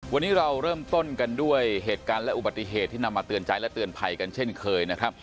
วันนี้เราเริ่มต้นกันด้วยเหตุการณ์และอุบัติเหตุที่นำมาเตือนใจและเตือนภัยกันเช่นเคยนะครับ